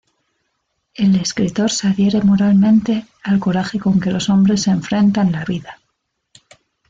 El escritor se adhiere moralmente al coraje con que los hombres enfrentan la vida.